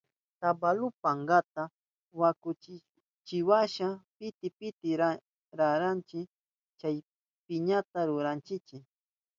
Tabaku pankata wankushkanchiwasha piti piti ruranchi, chaypiña ñuyuchinchi.